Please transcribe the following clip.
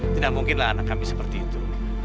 tidak mungkinlah anak kami seperti itu